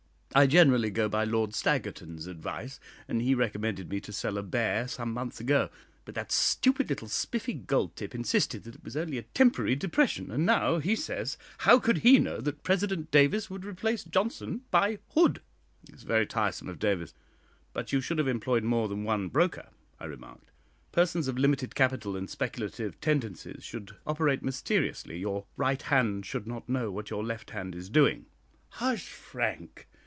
I generally go by Lord Staggerton's advice, and he recommended me to sell a bear some months ago; but that stupid little Spiffy Goldtip insisted that it was only a temporary depression, and now he says how could he know that President Davis would replace Johnston by Hood." "Very tiresome of Davis: but you should have employed more than one broker," I remarked. "Persons of limited capital and speculative tendencies should operate mysteriously. Your right hand should not know what your left hand is doing." "Hush, Frank!